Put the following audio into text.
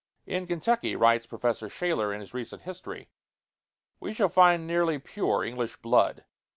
V "In Kentucky," writes Professor Shaler, in his recent history, "we shall find nearly pure English blood.